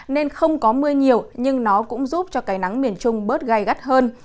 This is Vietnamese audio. nên không có mưa nhiều nhưng nó cũng giúp cho cái nắng miền trung bớt gai gắt hơn